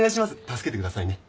助けてくださいね。